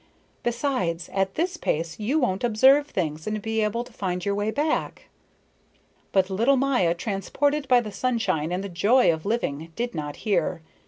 Besides, at this pace you won't observe things and be able to find your way back." But little Maya transported by the sunshine and the joy of living, did not hear.